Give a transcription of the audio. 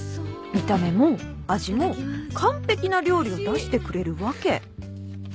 見た目も味も完璧な料理を出してくれるわけ。